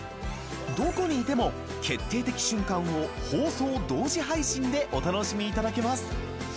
どこにいても決定的瞬間を放送同時配信でお楽しみいただけます。